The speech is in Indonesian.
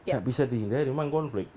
gak bisa dihindari memang konflik